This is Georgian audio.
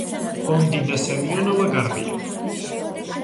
ბონდი და სემიონოვა გარბიან.